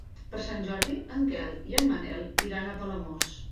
Per Sant Jordi en Quel i en Manel iran a Palamós.